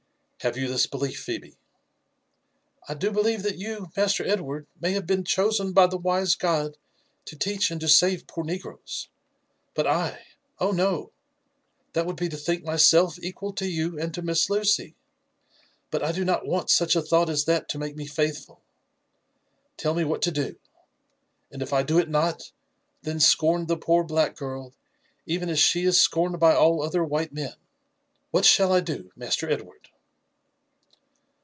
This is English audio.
Have you this belief, Phebe?" '* I do believe that you. Master Edward, may have been chosen by the wise God to teach and to save poor negroes. But I !«— Oh, no ! that would be to think myself equal to you and to Miss Lucy. But I do not want such a thought as that to make me faithful. Tell me what to do ; and if I do it not, then scorn the poor black girl, even as she is scorned by all other white men. What shall I do. Master Ed ward?"